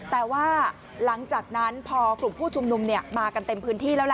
แต่ว่าหลังจากนั้นพอกลุ่มผู้ชุมนุมมากันเต็มพื้นที่แล้วล่ะ